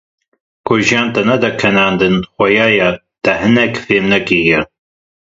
Ku jiyan te nede kenandin, xuya ye te henek fêm nekiriye.